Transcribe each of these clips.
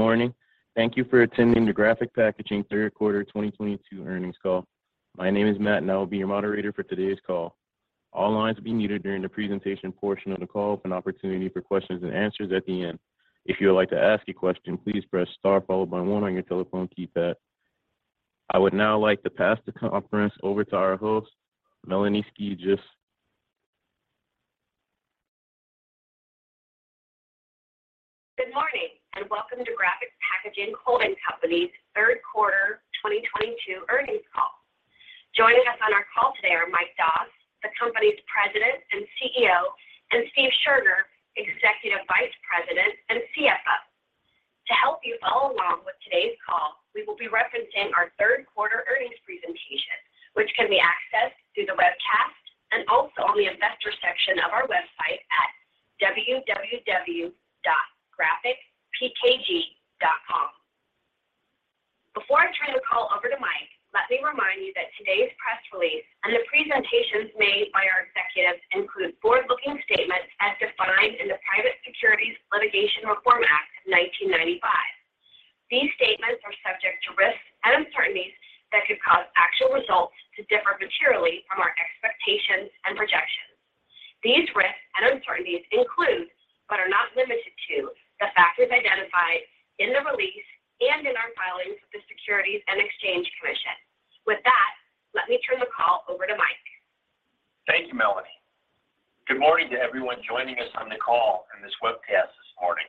Good morning. Thank you for attending the Graphic Packaging third quarter 2022 earnings call. My name is Matt, and I will be your moderator for today's call. All lines will be muted during the presentation portion of the call with an opportunity for questions and answers at the end. If you would like to ask a question, please press star followed by one on your telephone keypad. I would now like to pass the conference over to our host, Melanie Skijus. Good morning, and welcome Graphic Packaging Holding Company's third quarter 2022 earnings call. Joining us on our call today are Mike Doss, the company's President and CEO, and Steve Scherger, Executive Vice President and CFO. To help you follow along with today's call, we will be referencing our third quarter earnings presentation, which can be accessed through the webcast and also on the investor section of our website at www.graphicpkg.com. Before I turn the call over to Mike, let me remind you that today's press release and the presentations made by our executives include forward-looking statements as defined in the Private Securities Litigation Reform Act of 1995. These statements are subject to risks and uncertainties that could cause actual results to differ materially from our expectations and projections. These risks and uncertainties include, but are not limited to, the factors identified in the release and in our filings with the Securities and Exchange Commission. With that, let me turn the call over to Mike. Thank you, Melanie. Good morning to everyone joining us on the call and this webcast this morning.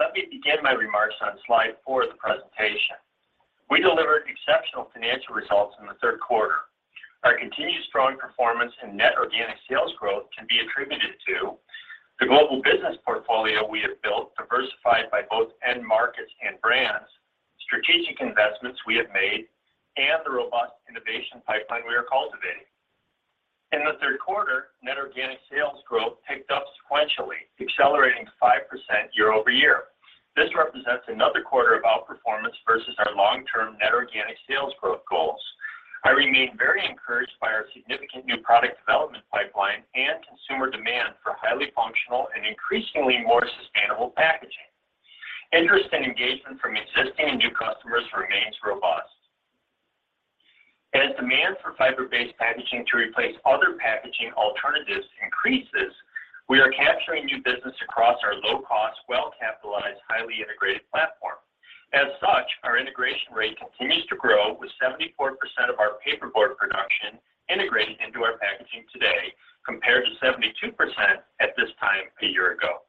Let me begin my remarks on Slide 4 of the presentation. We delivered exceptional financial results in the third quarter. Our continued strong Net Organic Sales growth can be attributed to the global business portfolio we have built, diversified by both end markets and brands, strategic investments we have made, and the robust innovation pipeline we are cultivating. In the Net Organic Sales growth picked up sequentially, accelerating to 5% year-over-year. This represents another quarter of outperformance versus Net Organic Sales growth goals. I remain very encouraged by our significant new product development pipeline and consumer demand for highly functional and increasingly more sustainable packaging. Interest and engagement from existing and new customers remains robust. As demand for fiber-based packaging to replace other packaging alternatives increases, we are capturing new business across our low-cost, well-capitalized, highly integrated platform. As such, our integration rate continues to grow with 74% of our Paperboard production integrated into our packaging today, compared to 72% at this time a year ago.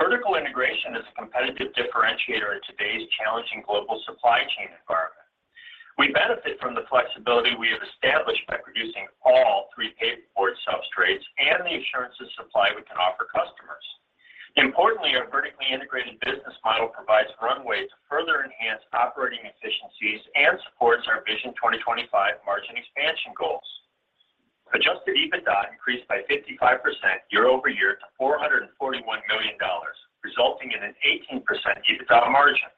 Vertical integration is a competitive differentiator in today's challenging global supply chain environment. We benefit from the flexibility we have established by producing all three Paperboard substrates and the assurance of supply we can offer customers. Importantly, our Vertically Integrated Business model provides runway to further enhance operating efficiencies and supports our Vision 2025 margin expansion goals. Adjusted EBITDA increased by 55% year-over-year to $441 million, resulting in an 18% EBITDA margin.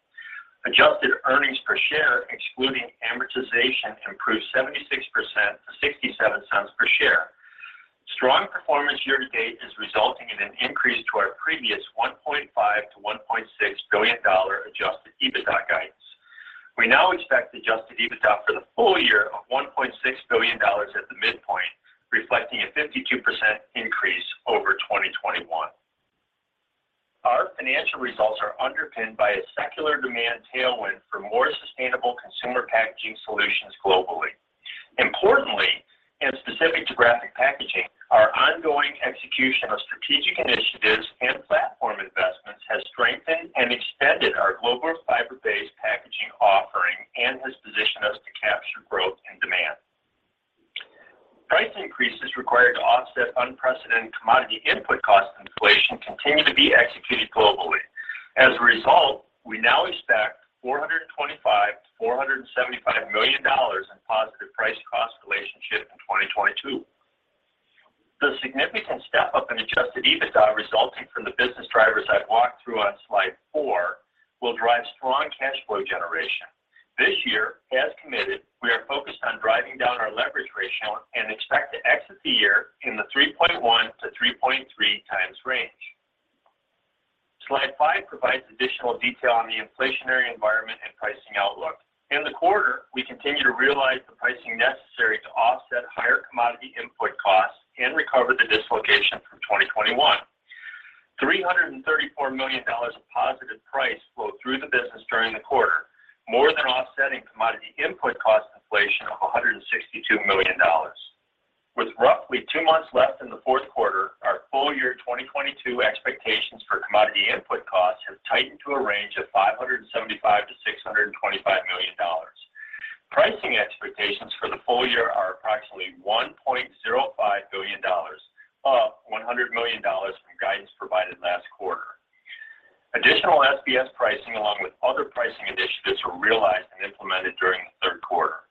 Adjusted earnings per share, excluding amortization, improved 76% to $0.67 per share. Strong performance year to date is resulting in an increase to our previous $1.5 billion-$1.6 billion Adjusted EBITDA guidance. We now expect Adjusted EBITDA for the full year of $1.6 billion at the midpoint, reflecting a 52% increase over 2021. Our financial results are underpinned by a secular demand tailwind for more sustainable consumer packaging solutions globally. Importantly, and specific to Graphic Packaging, our ongoing execution of strategic initiatives and platform investments has strengthened and extended our global fiber-based packaging offering and has positioned us to capture growth and demand. Price increases required to offset unprecedented commodity input cost inflation continue to be executed globally. As a result, we now expect $425 million-$475 million in positive price cost relationship in 2022. The significant step-up in Adjusted EBITDA resulting from the business drivers I've walked through on Slide 4 will drive strong cash flow generation. This year, as committed, we are focused on driving down our leverage ratio and expect to exit the year in the 3.1x-3.3x range. Slide 5 provides additional detail on the inflationary environment and pricing outlook. In the quarter, we continued to realize the pricing necessary to offset higher commodity input costs and recover the dislocation from 2021. $334 million of positive price flowed through the business during the quarter, more than offsetting commodity input cost inflation of $162 million. With roughly two months left in the fourth quarter, our full year 2022 expectations for commodity input costs have tightened to a range of $575 million-$625 million. Pricing expectations for the full year are approximately $1.05 billion, up $100 million from guidance provided last quarter. Additional SBS pricing, along with other pricing initiatives, were realized and implemented during the third quarter.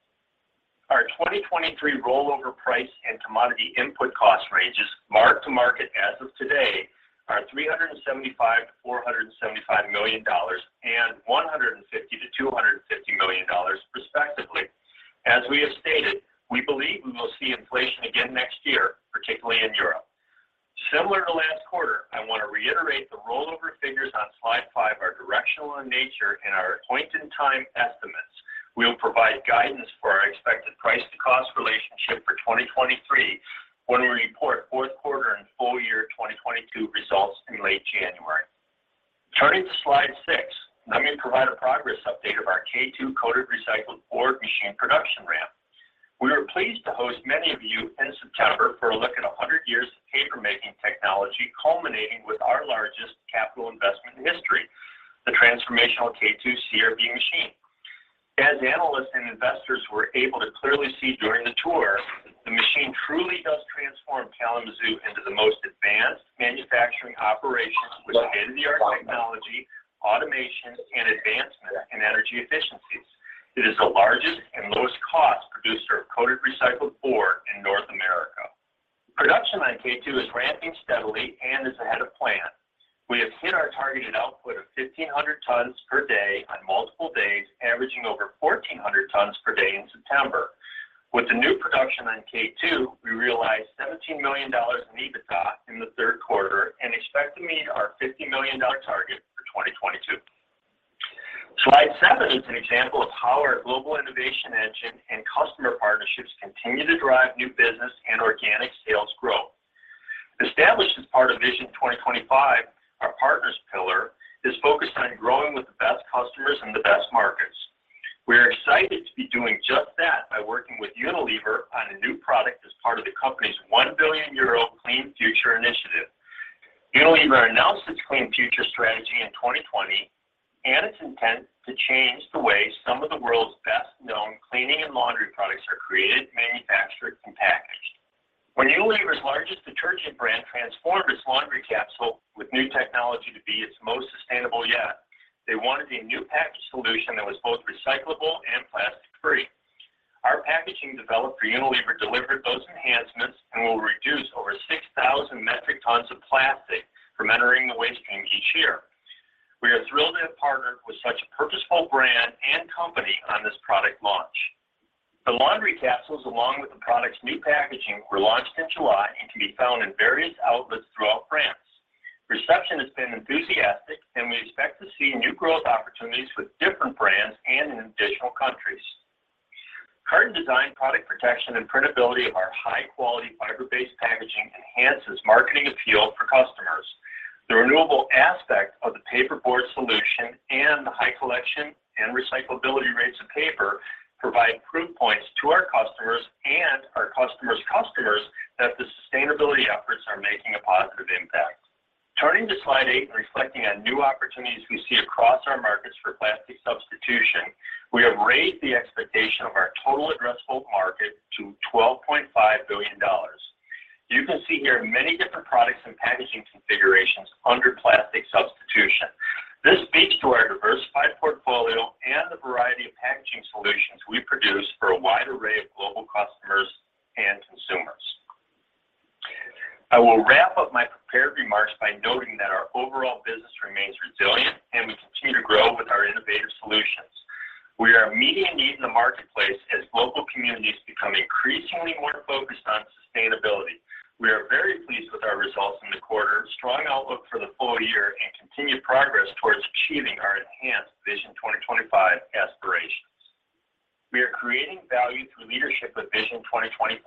Our 2023 rollover price and commodity input cost ranges mark to market as of today are $375 million-$475 million and $150 million-$250 million. As we have stated, we believe we will see inflation again next year, particularly in Europe. Similar to last quarter, I want to reiterate the rollover figures on Slide 5 are directional in nature and are point-in-time estimates. We'll provide guidance for our expected price to cost relationship for 2023 when we report fourth quarter and full year 2022 results in late January. Turning to Slide 6, let me provide a progress update K2 Coated Recycled Board machine production ramp. We were pleased to host many of you in September for a look at 100 years of paper-making technology culminating with our largest capital investment in history, the transformational K2 CRB machine. As analysts and investors were able to clearly see during the tour, the machine truly does transform Kalamazoo into the most advanced manufacturing operation with state-of-the-art technology, automation, and advancement in energy efficiencies. It is the largest and lowest cost producer of Coated Recycled Board in North America. Production on K2 is ramping steadily and is ahead of plan. We have hit our targeted output of 1,500 tons per day on multiple days, averaging over 1,400 tons per day in September. With the new production on K2, we realized $17 million in EBITDA in the third quarter and expect to meet our $50 million target for 2022. Slide 7 is an example of how our global innovation engine and customer partnerships continue to drive new business and organic sales growth. Established as part of Vision 2025, our partners pillar is focused on growing with the best customers in the best markets. We're excited to be doing just that by working with Unilever on a new product as part of the company's 1 billion euro Clean Future initiative. Unilever announced its Clean Future strategy in 2020, and its intent to change the way some of the world's best-known cleaning and laundry products are created, manufactured, and packaged. When Unilever's largest detergent brand transformed its laundry capsule with new technology to be its most sustainable yet, they wanted a new package solution that was both recyclable and plastic-free. Our packaging developed for Unilever delivered those enhancements and will reduce over 6,000 metric tons of plastic from entering the waste stream each year. We are thrilled to have partnered with such a purposeful brand and company on this product launch. The laundry capsules, along with the product's new packaging, were launched in July and can be found in various outlets throughout France. Reception has been enthusiastic, and we expect to see new growth opportunities with different brands and in additional countries. Carton design, product protection, and printability of our high-quality fiber-based packaging enhances marketing appeal for customers. The renewable aspect of the Paperboard solution and the high collection and recyclability rates of paper provide proof points to our customers and our customers' customers that the sustainability efforts are making a positive impact. Turning to Slide 8 and reflecting on new opportunities we see across our markets for plastic substitution, we have raised the expectation of our total addressable market to $12.5 billion. You can see here many different products and packaging configurations under plastic substitution. This speaks to our diversified portfolio and the variety of packaging solutions we produce for a wide array of global customers and consumers. I will wrap up my prepared remarks by noting that our overall business remains resilient, and we continue to grow with our innovative solutions. We are meeting a need in the marketplace as global communities become increasingly more focused on sustainability. We are very pleased with our results in the quarter, strong outlook for the full year, and continued progress towards achieving our enhanced Vision 2025 aspirations. We are creating value through leadership with Vision 2025.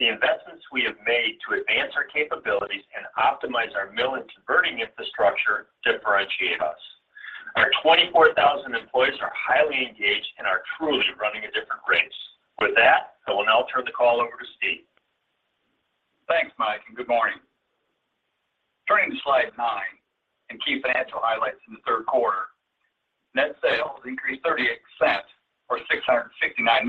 The investments we have made to advance our capabilities and optimize our mill and converting infrastructure differentiate us. Our 24,000 employees are highly engaged and are truly running a different race. With that, I will now turn the call over to Steve. Thanks, Mike, and good morning. Turning to Slide 9 and key financial highlights in the third quarter. Net sales increased 38% or $669 million-$2.5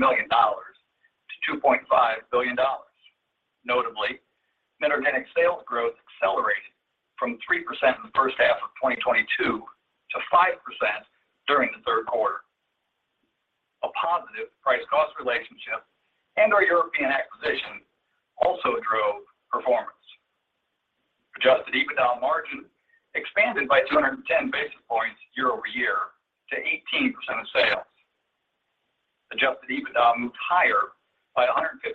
Net Organic Sales growth accelerated from 3% in the first half of 2022 to 5% during the third quarter. A positive price cost relationship and our European acquisition also drove performance. Adjusted EBITDA margin expanded by 210 basis points year-over-year to 18% of sales. Adjusted EBITDA moved higher by $157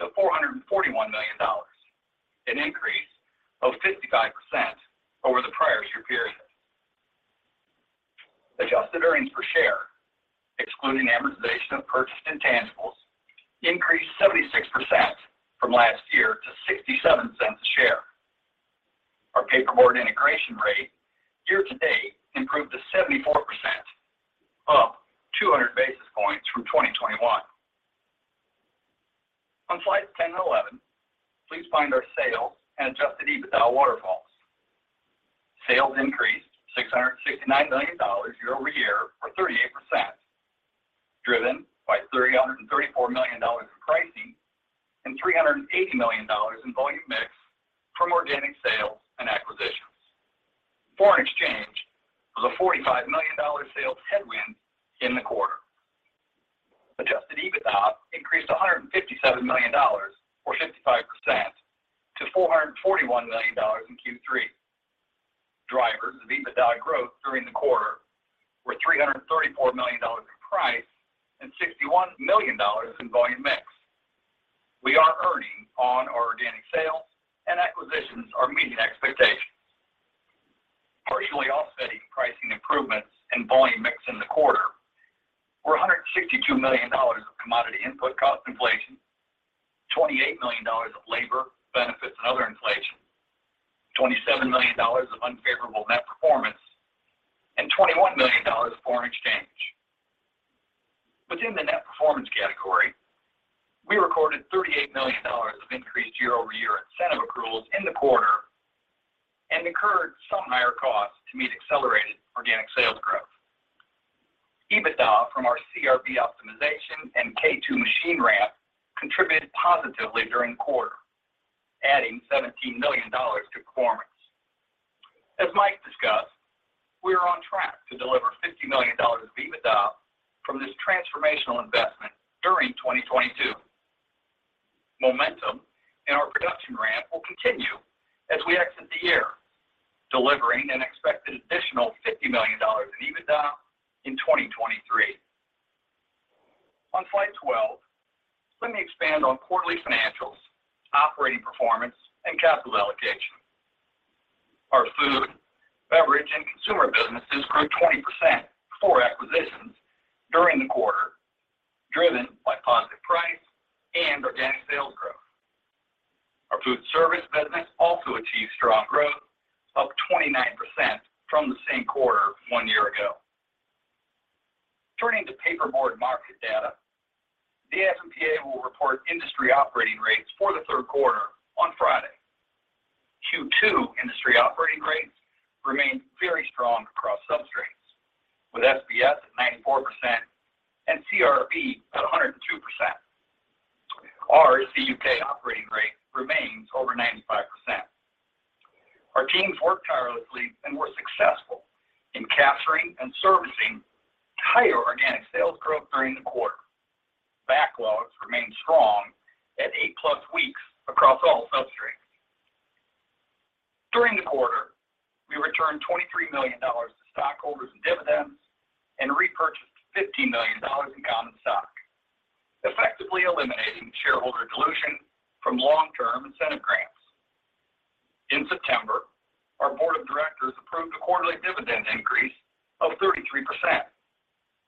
million-$441 million, an increase of 55% over the prior year period. Adjusted earnings per share, excluding amortization of purchased intangibles, increased 76% from last year to $0.67 a share. Our Paperboard integration rate year to date improved to 74%, up 200 basis points from 2021. On Slides 10 and 11, please find our sales and Adjusted EBITDA waterfalls. Sales increased $669 million year-over-year or 38%, driven by $334 million in pricing and $380 million in volume mix from organic sales and acquisitions. Foreign exchange was a $45 million sales headwind in the quarter. Adjusted EBITDA increased $157 million or 55% to $441 million in Q3. Drivers of EBITDA growth during the quarter were $334 million in price and $61 million in volume mix. We are earning on our organic sales, and acquisitions are meeting expectations. Partially offsetting pricing improvements and volume mix in the quarter were $162 million of commodity input cost inflation, $28 million of labor benefits and other inflation, $27 million of unfavorable net performance, and $21 million of foreign exchange. Within the net performance category, we recorded $38 million of increased year-over-year incentive accruals in the quarter and incurred some higher costs to meet accelerated organic sales growth. EBITDA from our CRB optimization and K2 machine ramp contributed positively during quarter, adding $17 million to performance. As Mike discussed, we are on track to deliver $50 million of EBITDA from this transformational investment during 2022. Momentum in our production ramp will continue as we exit the year, delivering an expected additional $50 million in EBITDA in 2023. On Slide 12, let me expand on quarterly financials, operating performance, and capital allocation. Our food, beverage, and consumer businesses grew 20% before acquisitions during the quarter, driven by positive price and organic sales growth. Our Food Service business also achieved strong growth, up 29% from the same quarter one year ago. Turning to Paperboard market data, the AF&PA will report industry operating rates for the third quarter on Friday. Q2 industry operating rates remained very strong across substrates, with SBS at 94% and CRB at 102%. Our CUK operating rate remains over 95%. Our teams worked tirelessly and were successful in capturing and servicing higher organic sales growth during the quarter. Backlogs remained strong at 8+ weeks across all substrates. During the quarter, we returned $23 million to Stockholders in dividends and repurchased $15 million in common stock, effectively eliminating Shareholder dilution from long-term incentive grants. In September, our Board of Directors approved a quarterly dividend increase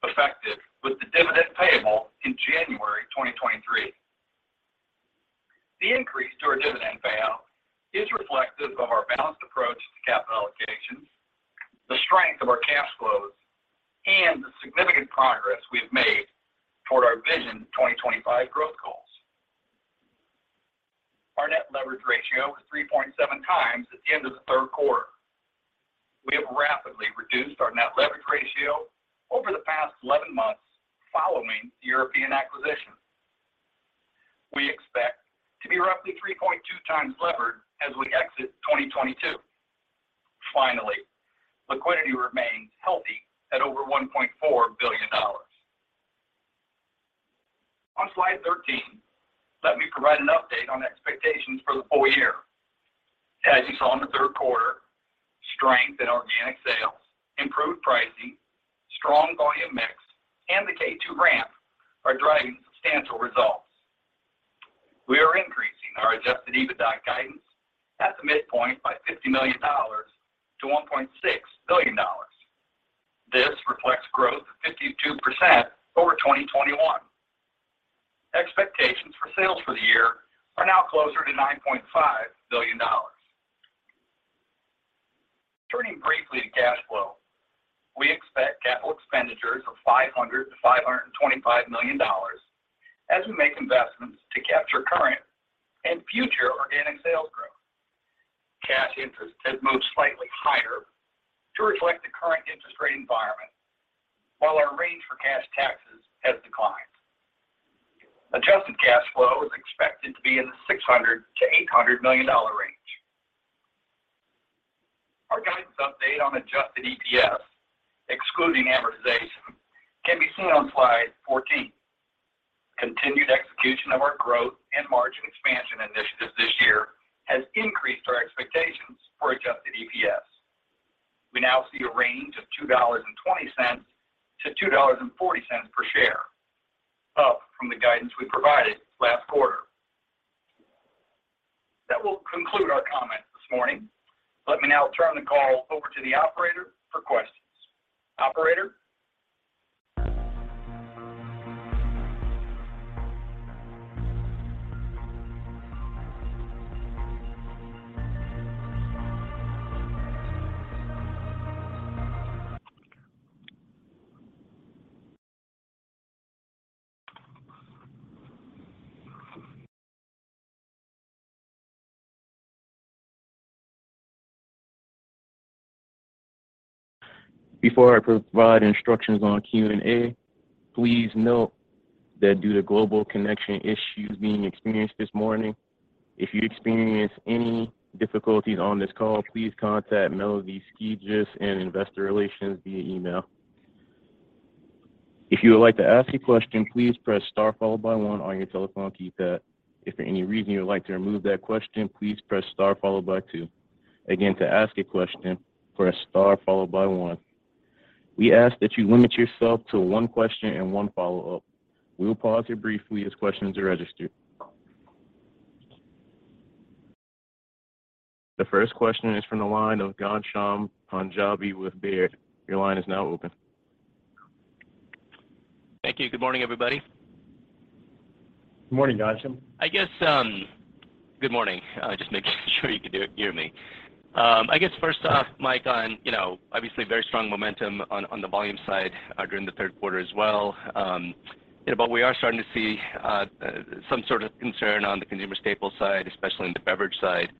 of 33%, effective with the dividend payable in January 2023. The increase to our dividend payout is reflective of our balanced approach to capital allocations, the strength of our cash flows, and the significant progress we have made toward our Vision 2025 growth goals. Our net leverage ratio was 3.7 times at the end of the third quarter. We have rapidly reduced our net leverage ratio over the past 11 months following the European acquisition. We expect to be roughly 3.2 times levered as we exit 2022. Finally, liquidity remains healthy at over $1.4 billion. On Slide 13, let me provide an update on expectations for the full year. As you saw in the third quarter, strength in organic sales, improved pricing, strong volume mix, and the K2 ramp are driving substantial results. We are increasing our Adjusted EBITDA guidance at the midpoint by $50 million-$1.6 billion. This reflects growth of 52% over 2021. Expectations for sales for the year are now closer to $9.5 billion. Turning briefly to cash flow, we expect capital expenditures of $500 million-$525 million as we make investments to capture current and future organic sales growth. Cash interest has moved slightly higher to reflect the current interest rate environment, while our range for cash taxes has declined. Adjusted cash flow is expected to be in the $600 million-$800 million range. Our guidance update on Adjusted EPS, excluding amortization, can be seen on Slide 14. Continued execution of our growth and margin expansion initiatives this year has increased our expectations for Adjusted EPS. We now see a range of $2.20-$2.40 per share, up from the guidance we provided last quarter. That will conclude our comments this morning. Let me now turn the call over to the operator for questions. Operator? Before I provide instructions on Q&A, please note that due to global connection issues being experienced this morning, if you experience any difficulties on this call, please contact Melanie Skijus in Investor Relations via email. If you would like to ask a question, please press star followed by one on your telephone keypad. If for any reason you would like to remove that question, please press star followed by two. Again, to ask a question, press star followed by one. We ask that you limit yourself to one question and one follow-up. We will pause here briefly as questions are registered. The first question is from the line of Ghansham Panjabi with Baird. Your line is now open. Thank you. Good morning, everybody. Good morning, Ghansham. I guess, good morning. Just making sure you can hear me. I guess first off, Mike, on, you know, obviously very strong momentum on the volume side during the third quarter as well. You know, we are starting to see some sort of concern on the Consumer Staples Side, especially in the beverage side.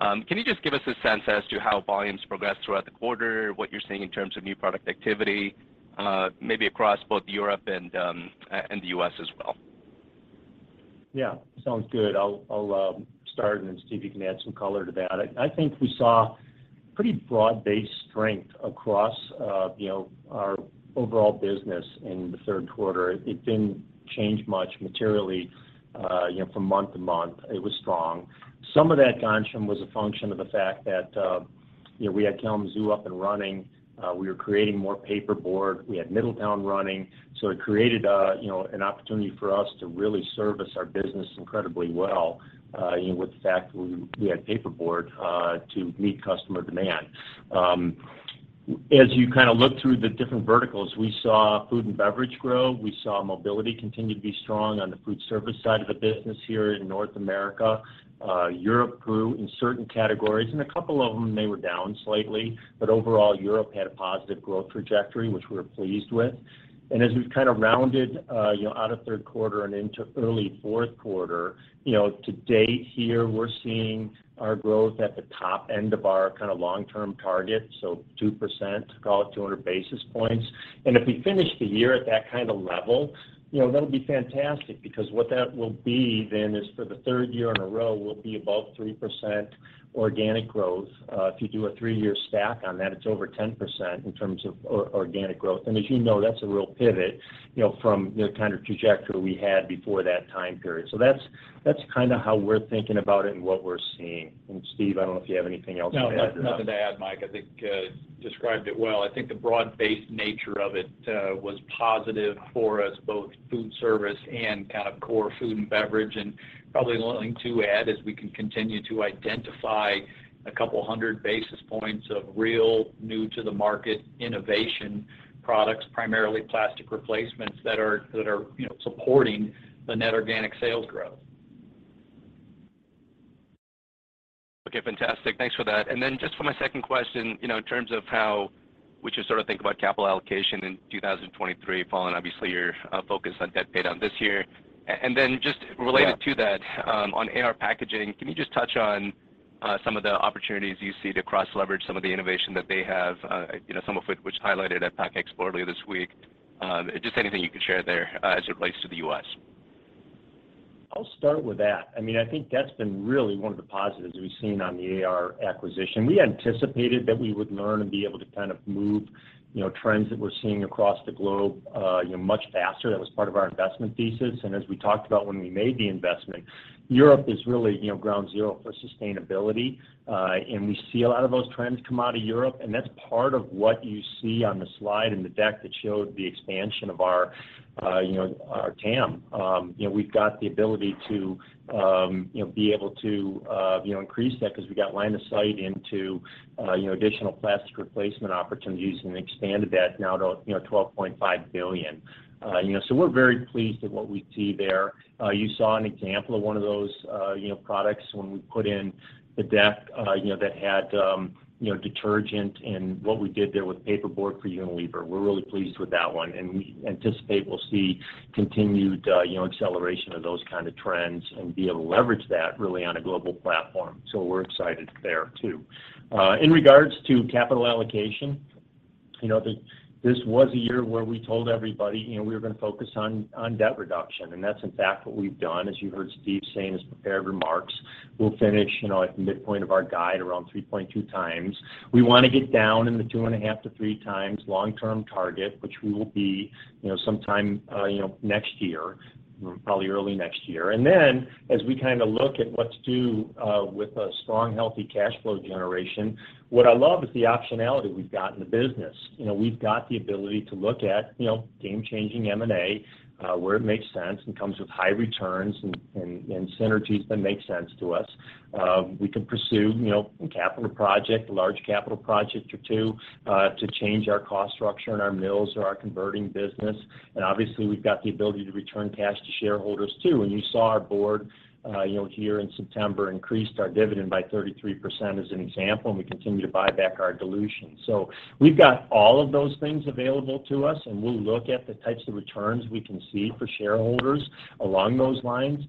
Can you just give us a sense as to how volumes progressed throughout the quarter, what you're seeing in terms of new product activity, maybe across both Europe and the U.S. as well? Yeah. Sounds good. I'll start and then Steve, you can add some color to that. I think we saw pretty broad-based strength across, you know, our overall business in the third quarter. It didn't change much materially, you know, from month-to-month. It was strong. Some of that, Ghansham, was a function of the fact that, you know, we had Kalamazoo up and running. We were creating more Paperboard. We had Middletown running, so it created, you know, an opportunity for us to really service our business incredibly well, you know, with the fact we had Paperboard to meet customer demand. As you kind of look through the different verticals, we saw food and beverage grow. We saw mobility continue to be strong on the food service side of the business here in North America. Europe grew in certain categories and a couple of them they were down slightly, but overall, Europe had a positive growth trajectory, which we're pleased with. As we've kind of rounded, you know, out of third quarter and into early fourth quarter, you know, to date here, we're seeing our growth at the top end of our kind of long-term target, so 2%, call it 200 basis points. If we finish the year at that kind of level, you know, that'll be fantastic because what that will be then is for the third year in a row, we'll be above 3% organic growth. If you do a three-year stack on that, it's over 10% in terms of organic growth. As you know, that's a real pivot, you know, from the kind of trajectory we had before that time period. That's kind of how we're thinking about it and what we're seeing. Steve, I don't know if you have anything else to add or not. No, nothing to add, Mike. I think described it well. I think the broad-based nature of it was positive for us, both food service and kind of core food and beverage. Probably the only thing to add is we can continue to identify a couple hundred basis points of real new to the market innovation products, primarily plastic replacements that are, you know, the Net Organic Sales growth. Okay, fantastic. Thanks for that. Just for my second question, you know, in terms of how would you sort of think about capital allocation in 2023, Paul, and obviously you're focused on debt paydown this year, and then just related- Yeah. To that, on AR Packaging, can you just touch on some of the opportunities you see to cross-leverage some of the innovation that they have, you know, some of it which highlighted at PACK EXPO earlier this week? Just anything you could share there, as it relates to the U.S. I'll start with that. I mean, I think that's been really one of the positives we've seen on the AR acquisition. We anticipated that we would learn and be able to kind of move, you know, trends that we're seeing across the globe, you know, much faster. That was part of our investment thesis. As we talked about when we made the investment, Europe is really, you know, ground zero for sustainability. We see a lot of those trends come out of Europe, and that's part of what you see on the slide in the deck that showed the expansion of our, you know, our TAM. You know, we've got the ability to, you know, be able to, you know, increase that 'cause we got line of sight into, you know, additional plastic replacement opportunities and expanded that now to, you know, $12.5 billion. You know, so we're very pleased with what we see there. You saw an example of one of those, you know, products when we put in the deck, you know, that had, you know, detergent and what we did there with Paperboard for Unilever. We're really pleased with that one, and we anticipate we'll see continued, you know, acceleration of those kind of trends and be able to leverage that really on a global platform. We're excited there too. In regards to capital allocation, you know, this was a year where we told everybody, you know, we were gonna focus on debt reduction, and that's in fact what we've done. As you heard Steve say in his prepared remarks, we'll finish, you know, at the midpoint of our guide around 3.2 times. We wanna get down in the 2.5-3 times long-term target, which we will be, you know, sometime, you know, next year, probably early next year. Then as we kind of look at what to do with a strong, healthy cash flow generation, what I love is the optionality we've got in the business. You know, we've got the ability to look at, you know, game-changing M&A, where it makes sense and comes with high returns and synergies that make sense to us. We can pursue, you know, a capital project, a large capital project or two, to change our cost structure in our mills or our converting business. Obviously, we've got the ability to return cash to shareholders too. You saw our board, you know, here in September increased our dividend by 33% as an example, and we continue to buy back our dilution. We've got all of those things available to us, and we'll look at the types of returns we can see for shareholders along those lines.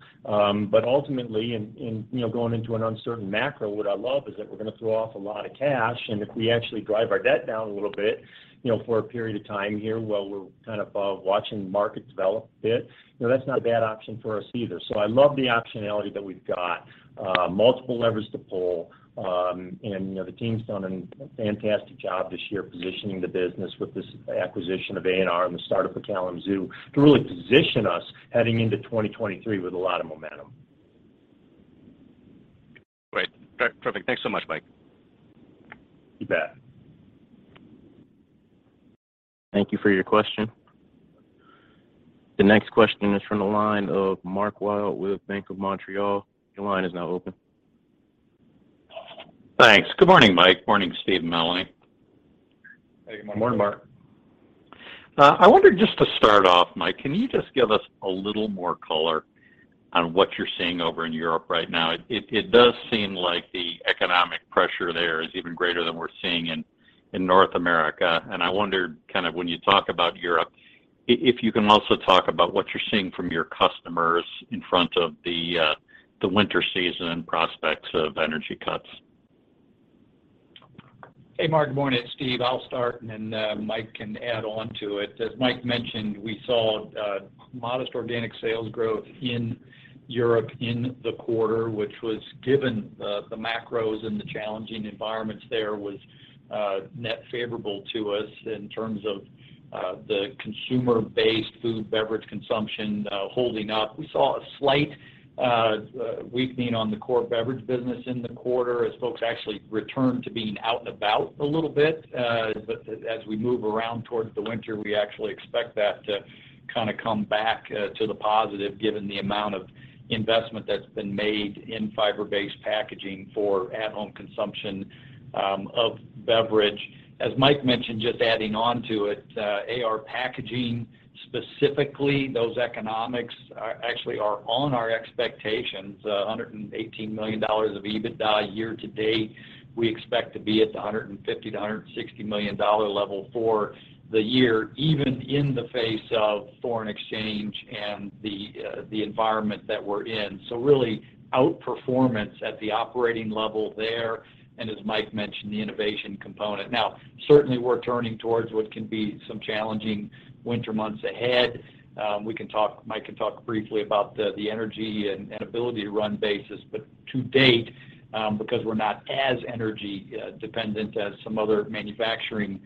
Ultimately in you know going into an uncertain macro, what I love is that we're gonna throw off a lot of cash, and if we actually drive our debt down a little bit, you know, for a period of time here while we're kind of watching the market develop a bit, you know, that's not a bad option for us either. I love the optionality that we've got multiple levers to pull, and you know, the team's done a fantastic job this year positioning the business with this acquisition of AR and the start up of Kalamazoo to really position us heading into 2023 with a lot of momentum. Great. Perfect. Thanks so much, Mike. You bet. Thank you for your question. The next question is from the line of Mark Wilde with Bank of Montreal. Your line is now open. Thanks. Good morning, Mike. Morning, Steve and Melanie. Hey, good morning. Morning, Mark. I wonder just to start off, Mike, can you just give us a little more color on what you're seeing over in Europe right now? It does seem like the economic pressure there is even greater than we're seeing in North America. I wondered kind of when you talk about Europe, if you can also talk about what you're seeing from your customers in front of the winter season prospects of energy cuts. Hey, Mark. Morning, it's Steve. I'll start and then Mike can add on to it. As Mike mentioned, we saw modest organic sales growth in Europe in the quarter, which was given the macros and the challenging environments there was net favorable to us in terms of the consumer-based food and beverage consumption holding up. We saw a slight weakening on the core beverage business in the quarter as folks actually returned to being out and about a little bit. But as we move around towards the winter, we actually expect that to kinda come back to the positive given the amount of investment that's been made in fiber-based packaging for at-home consumption of beverage. As Mike mentioned, just adding on to it, AR Packaging specifically, those economics are actually on our expectations. $118 million of EBITDA year to date, we expect to be at the $150 million-$160 million level for the year, even in the face of foreign exchange and the environment that we're in. Really outperformance at the operating level there, and as Mike mentioned, the innovation component. Now, certainly we're turning towards what can be some challenging winter months ahead. We can talk. Mike can talk briefly about the energy and ability to run basis. To date, because we're not as energy dependent as some other manufacturing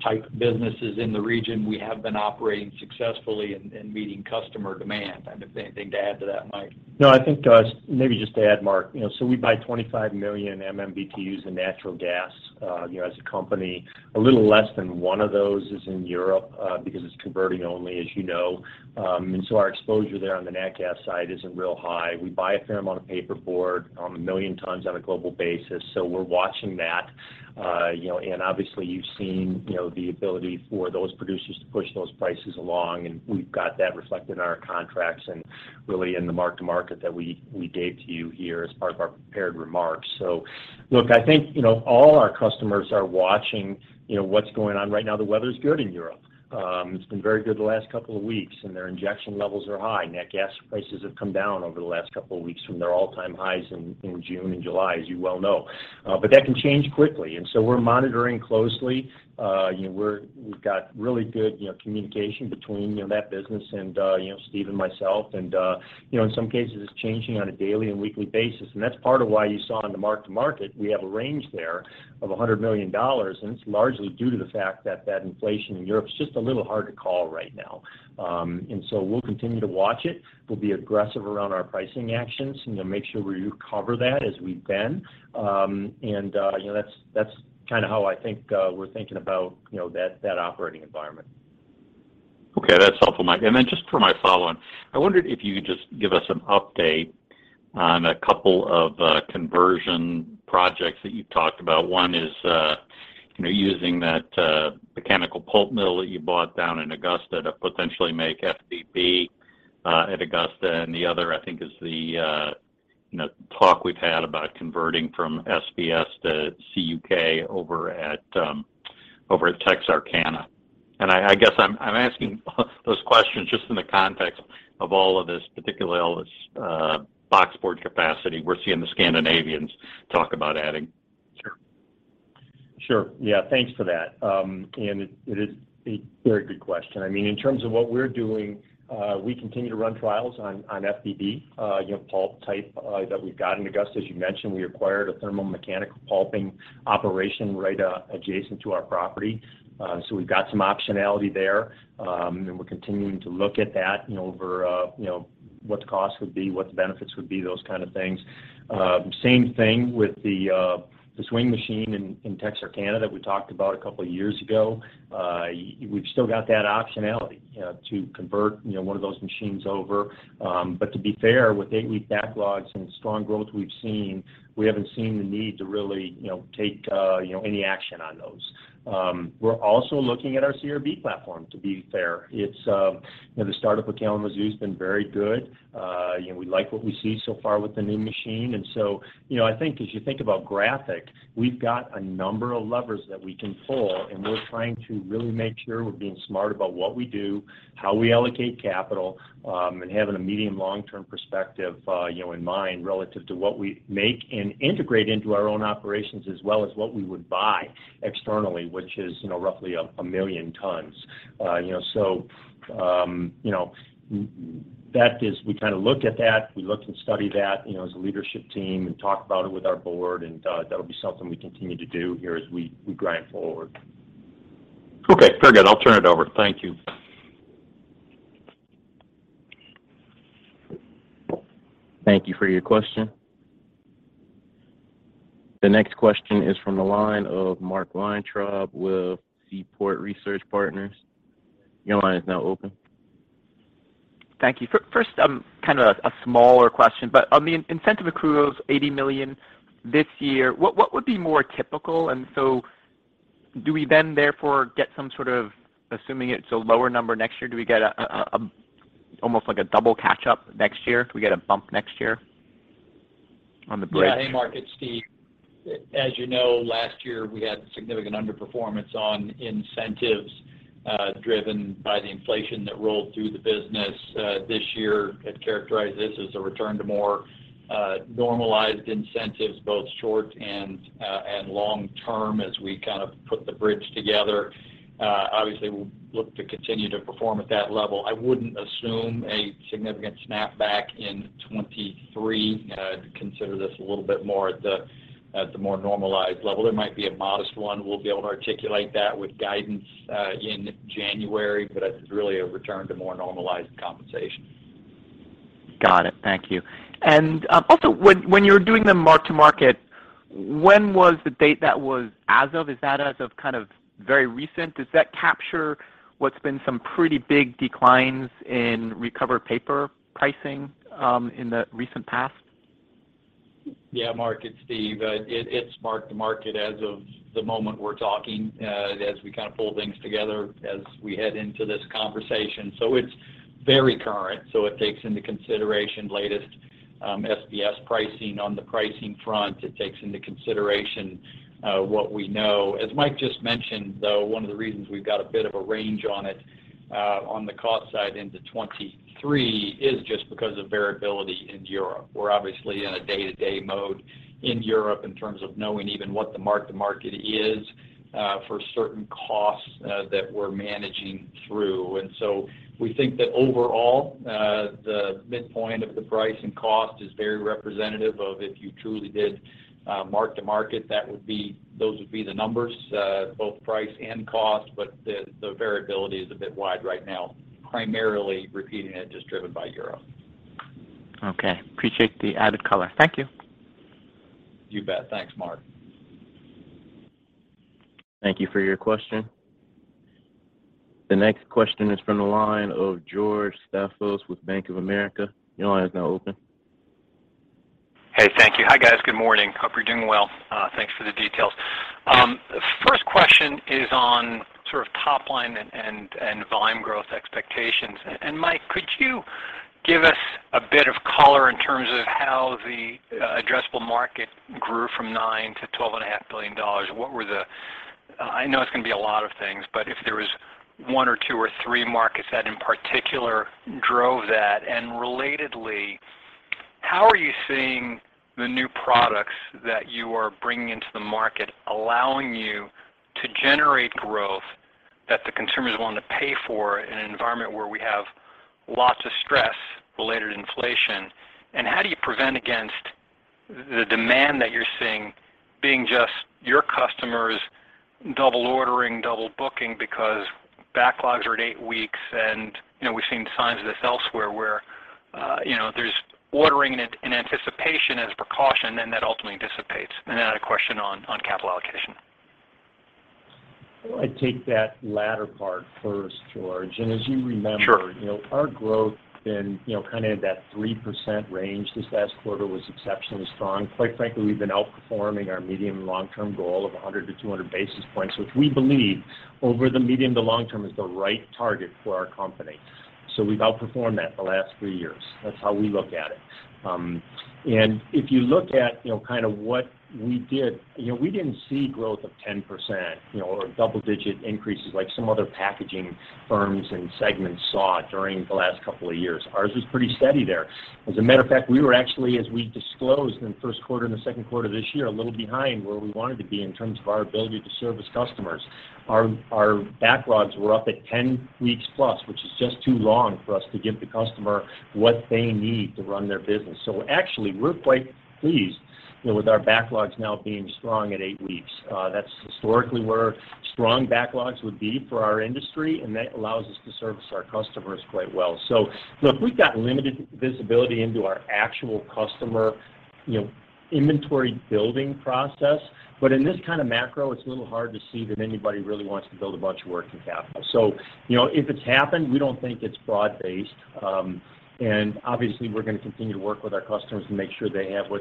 type businesses in the region, we have been operating successfully and meeting customer demand. If there's anything to add to that, Mike. No, I think, maybe just to add, Mark, you know, so we buy 25 million MMBtu in natural gas, you know, as a company. A little less than one of those is in Europe, because it's converting only, as you know. Our exposure there on the nat gas side isn't real high. We buy a fair amount of Paperboard, a million tons on a global basis, so we're watching that. You know, obviously you've seen, you know, the ability for those producers to push those prices along, and we've got that reflected in our contracts and really in the mark-to-market that we gave to you here as part of our prepared remarks. Look, I think, you know, all our customers are watching, you know, what's going on. Right now, the weather's good in Europe. It's been very good the last couple of weeks, and their injection levels are high. Nat gas prices have come down over the last couple of weeks from their all-time highs in June and July, as you well know. That can change quickly, and so we're monitoring closely. You know, we've got really good, you know, communication between, you know, that business and Steve and myself. You know, in some cases, it's changing on a daily and weekly basis, and that's part of why you saw in the mark-to-market, we have a range there of $100 million, and it's largely due to the fact that inflation in Europe is just a little hard to call right now. We'll continue to watch it. We'll be aggressive around our pricing actions, you know, make sure we recover that as we've been. You know, that's kinda how I think we're thinking about that operating environment. Okay, that's helpful, Mike. Just for my follow-on, I wondered if you could just give us an update on a couple of conversion projects that you talked about. One is, you know, using that mechanical pulp mill that you bought down in Augusta to potentially make FBB at Augusta, and the other I think is the, you know, talk we've had about converting from SBS to CUK over at Texarkana. I guess I'm asking those questions just in the context of all of this, particularly all this boxboard capacity we're seeing the Scandinavians talk about adding. Sure. Yeah, thanks for that. It is a very good question. I mean, in terms of what we're doing, we continue to run trials on FBB, you know, pulp type that we've got in Augusta. As you mentioned, we acquired a thermal mechanical pulping operation right adjacent to our property. We've got some optionality there, and we're continuing to look at that, you know, over you know what the cost would be, what the benefits would be, those kind of things. Same thing with the swing machine in Texarkana that we talked about a couple of years ago. We've still got that optionality to convert, you know, one of those machines over. To be fair, with eight-week backlogs and the strong growth we've seen, we haven't seen the need to really, you know, take, you know, any action on those. We're also looking at our CRB platform, to be fair. It's, you know, the start-up at Kalamazoo's been very good. You know, we like what we see so far with the new machine. You know, I think as you think about Graphic, we've got a number of levers that we can pull, and we're trying to really make sure we're being smart about what we do, how we allocate capital, and having a medium, long-term perspective, you know, in mind relative to what we make and integrate into our own operations as well as what we would buy externally, which is, you know, roughly 1 million tons. You know, we kind of look at that. We looked and studied that, you know, as a leadership team and talked about it with our board, and that'll be something we continue to do here as we grind forward. Okay, very good. I'll turn it over. Thank you. Thank you for your question. The next question is from the line of Mark Weintraub with Seaport Research Partners. Your line is now open. Thank you. First, kind of a smaller question, but on the incentive accruals, $80 million this year, what would be more typical? Do we then therefore get some sort of assuming it's a lower number next year, do we get a almost like a double catch-up next year? Do we get a bump next year on the bridge? Yeah. Hey, Mark, it's Steve. As you know, last year we had significant underperformance on incentives driven by the inflation that rolled through the business. This year I'd characterize this as a return to more normalized incentives, both short and long term as we kind of put the bridge together. Obviously we'll look to continue to perform at that level. I wouldn't assume a significant snapback in 2023. I'd consider this a little bit more at the more normalized level. There might be a modest one. We'll be able to articulate that with guidance in January, but it's really a return to more normalized compensation. Got it. Thank you. Also, when you're doing the mark to market, when was the date that was as of? Is that as of kind of very recent? Does that capture what's been some pretty big declines in recovered paper pricing in the recent past? Yeah, Mark, it's Steve. It's mark to market as of the moment we're talking, as we kind of pull things together as we head into this conversation. It's very current, so it takes into consideration latest SBS pricing on the pricing front. It takes into consideration what we know. As Mike just mentioned, though, one of the reasons we've got a bit of a range on it on the cost side into 2023 is just because of variability in Europe. We're obviously in a day-to-day mode in Europe in terms of knowing even what the mark to market is for certain costs that we're managing through. We think that overall, the midpoint of the price and cost is very representative of if you truly did mark to market, those would be the numbers, both price and cost, but the variability is a bit wide right now, primarily due to it, just driven by Europe. Okay. Appreciate the added color. Thank you. You bet. Thanks, Mark. Thank you for your question. The next question is from the line of George Staphos with Bank of America. Your line is now open. Hey, thank you. Hi, guys. Good morning. Hope you're doing well. Thanks for the details. First question is on sort of top line and volume growth expectations. Mike Doss, could you give us a bit of color in terms of how the addressable market grew from $9 billion-$12.5 billion? I know it's gonna be a lot of things, but if there was one or two or three markets that in particular drove that. Relatedly, how are you seeing the new products that you are bringing into the market allowing you to generate growth that the consumer is willing to pay for in an environment where we have lots of stress related to inflation? How do you prevent against the demand that you're seeing being just your customers double ordering, double booking because backlogs are at eight weeks and, you know, we've seen signs of this elsewhere where, you know, there's ordering in anticipation as a precaution and that ultimately dissipates. I had a question on capital allocation. I'll take that latter part first, George. Sure. As you remember, you know, our growth in, you know, kind of that 3% range this last quarter was exceptionally strong. Quite frankly, we've been outperforming our medium, long-term goal of 100-200 basis points, which we believe over the medium to long term is the right target for our company. We've outperformed that the last three years. That's how we look at it. If you look at, you know, kind of what we did, you know, we didn't see growth of 10%, you know, or double-digit increases like some other packaging firms and segments saw during the last couple of years. Ours was pretty steady there. As a matter of fact, we were actually, as we disclosed in the first quarter and the second quarter of this year, a little behind where we wanted to be in terms of our ability to service customers. Our backlogs were up at 10 weeks+, which is just too long for us to give the customer what they need to run their business. Actually we're quite pleased, you know, with our backlogs now being strong at eight weeks. That's historically where strong backlogs would be for our industry, and that allows us to service our customers quite well. Look, we've got limited visibility into our actual customer, you know, inventory building process, but in this kind of macro, it's a little hard to see that anybody really wants to build a bunch of working capital. You know, if it's happened, we don't think it's broad-based. Obviously we're gonna continue to work with our customers to make sure they have what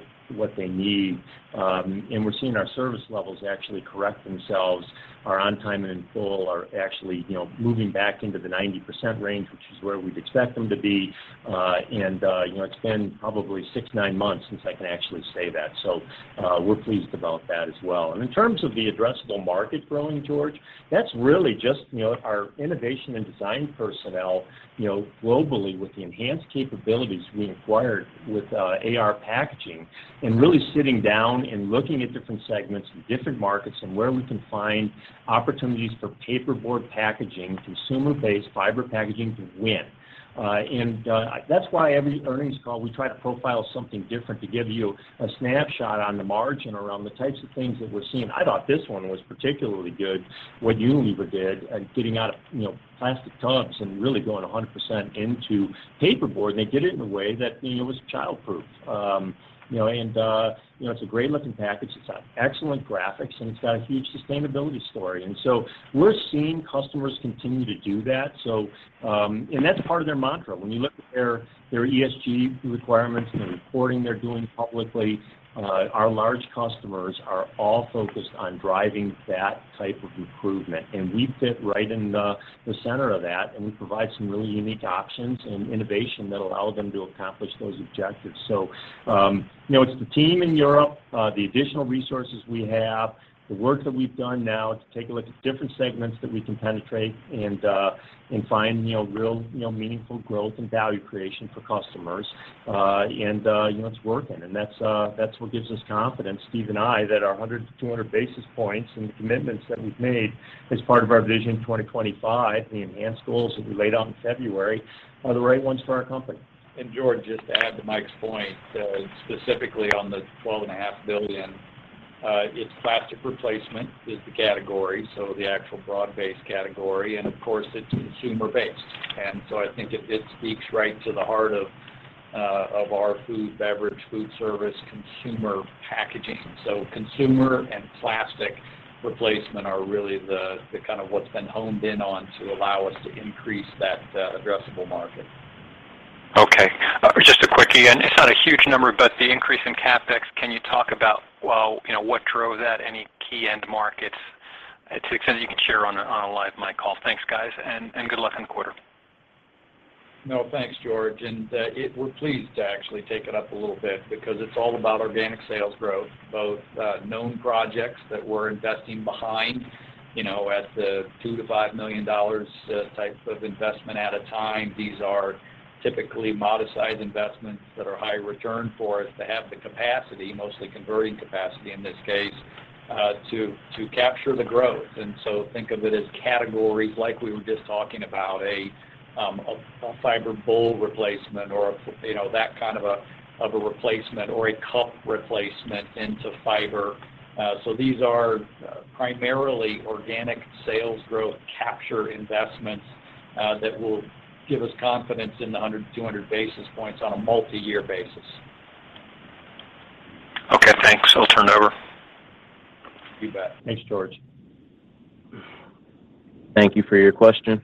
they need. We're seeing our service levels actually correct themselves. Our on time and in full are actually, you know, moving back into the 90% range, which is where we'd expect them to be. You know, it's been probably six-nine months since I can actually say that. We're pleased about that as well. In terms of the addressable market growing, George, that's really just, you know, our innovation and design personnel, you know, globally with the enhanced capabilities we acquired with AR Packaging and really sitting down and looking at different segments and different markets and where we can find opportunities for Paperboard packaging, consumer-based fiber packaging to win. That's why every earnings call, we try to profile something different to give you a snapshot on the margin around the types of things that we're seeing. I thought this one was particularly good, what Unilever did, getting out of, you know, plastic tubs and really going 100% into Paperboard. They did it in a way that, you know, was childproof. You know, it's a great-looking package. It's got excellent graphics, and it's got a huge sustainability story. We're seeing customers continue to do that. That's part of their mantra. When you look at their ESG requirements and the reporting they're doing publicly, our large customers are all focused on driving that type of improvement. We fit right in the center of that, and we provide some really unique options and innovation that allow them to accomplish those objectives. You know, it's the team in Europe, the additional resources we have, the work that we've done now to take a look at different segments that we can penetrate and find, you know, real, you know, meaningful growth and value creation for customers. You know, it's working. That's what gives us confidence, Steve and I, that our 100-200 basis points and the commitments that we've made as part of our Vision 2025, the enhanced goals that we laid out in February, are the right ones for our company. George, just to add to Mike's point, specifically on the $12.5 billion, it's plastic replacement is the category, so the actual broad-based category. Of course, it's consumer-based. I think it speaks right to the heart of our food, beverage, food service, consumer packaging. Consumer and plastic replacement are really the kind of what's been honed in on to allow us to increase that addressable market. Okay. Just a quickie, and it's not a huge number, but the increase in CapEx, can you talk about, well, you know, what drove that? Any key end markets, to the extent you can share on a live mic call? Thanks, guys, and good luck in the quarter. No, thanks, George. We're pleased to actually take it up a little bit because it's all about organic sales growth, both known projects that we're investing behind, you know, at the $2 million-$5 million type of investment at a time. These are typically modest-sized investments that are high return for us to have the capacity, mostly converting capacity in this case, to capture the growth. Think of it as categories like we were just talking about, a fiber bowl replacement or, you know, that kind of a replacement or a cup replacement into fiber. These are primarily organic sales growth capture investments that will give us confidence in the 100-200 basis points on a multiyear basis. Okay, thanks. I'll turn it over. You bet. Thanks, George. Thank you for your question.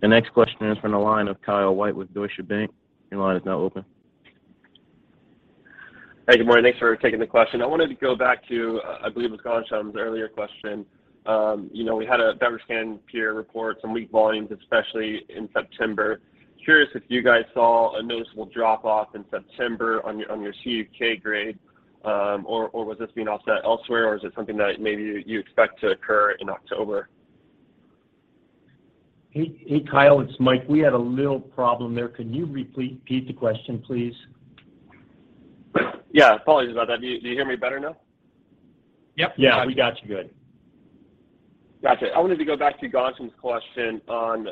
The next question is from the line of Kyle White with Deutsche Bank. Your line is now open. Hey, good morning. Thanks for taking the question. I wanted to go back to, I believe it was Ghansham's earlier question. You know, we had a Beverage Can peer report some weak volumes, especially in September. Curious if you guys saw a noticeable drop-off in September on your CUK grade, or was this being offset elsewhere? Or is it something that maybe you expect to occur in October? Hey, hey, Kyle. It's Mike. We had a little problem there. Could you repeat the question, please? Yeah, apologies about that. Do you hear me better now? Yep. Yeah. We got you good. Gotcha. I wanted to go back to Ghansham's question on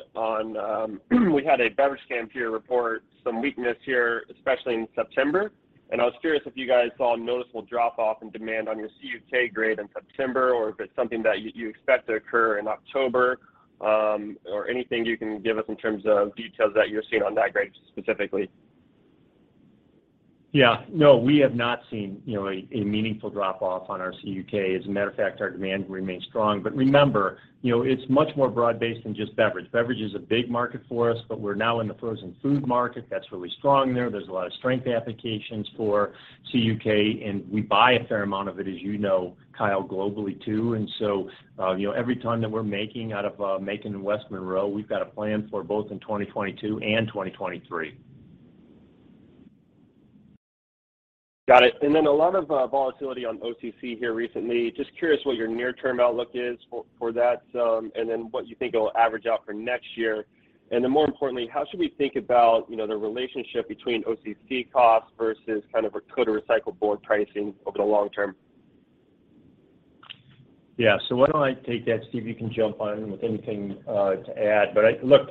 we had a Beverage Can peer report some weakness here, especially in September. I was curious if you guys saw a noticeable drop-off in demand on your CUK grade in September, or if it's something that you expect to occur in October, or anything you can give us in terms of details that you're seeing on that grade specifically. Yeah. No, we have not seen, you know, a meaningful drop-off on our CUK. As a matter of fact, our demand remains strong. Remember, you know, it's much more broad-based than just beverage. Beverage is a big market for us, but we're now in the frozen food market. That's really strong there. There's a lot of strong applications for CUK, and we buy a fair amount of it, as you know, Kyle, globally too. You know, every ton that we're making out of Macon and West Monroe, we've got a plan for both in 2022 and 2023. Got it. A lot of volatility on OCC here recently. Just curious what your near-term outlook is for that, and then what you think it'll average out for next year. More importantly, how should we think about, you know, the relationship between OCC costs versus kind of a Coated Recycled Board pricing over the long term? Yeah. Why don't I take that, Steve, you can jump on with anything to add. Look,